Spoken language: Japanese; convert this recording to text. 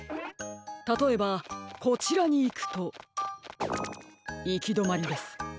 たとえばこちらにいくといきどまりです。